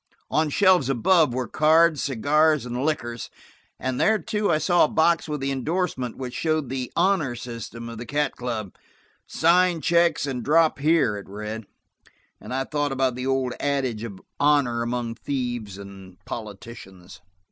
On shelves above were cards, cigars and liquors, and there, too, I saw a box with an indorsement which showed the "honor system" of the Cat Club. "Sign checks and drop here," it read, and I thought about the old adage of honor among thieves and politicians.